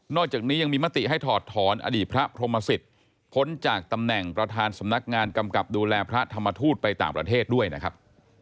อกจากนี้ยังมีมติให้ถอดถอนอดีตพระพรหมสิทธิ์พ้นจากตำแหน่งประธานสำนักงานกำกับดูแลพระธรรมทูตไปต่างประเทศด้วยนะครับ